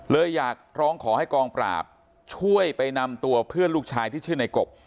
เลยอยากร้องขอให้กองปราบช่วยไปนำตัวเพื่อนลูกชายที่ชื่อในกบ